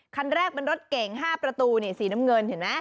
คันแรกเป็นรถเก่ง๕ประตูสีน้ำเงินเห็นไหม